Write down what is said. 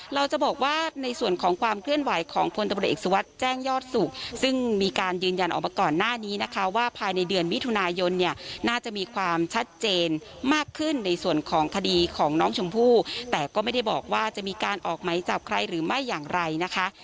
เราจะบอกว่าในส่วนของความเคลื่อนไหวของพลตำรวจเอกสุวัสดิ์แจ้งยอดสุขซึ่งมีการยืนยันออกมาก่อนหน้านี้นะคะว่าภายในเดือนมิถุนายนเนี่ยน่าจะมีความชัดเจนมากขึ้นในส่วนของคดีของน้องชมพู่แต่ก็ไม่ได้บอกว่าจะมีการออกไหมจับใครหรือไม่อย่างไรนะคะ